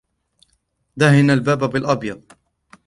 دهن الباب بالأبيض.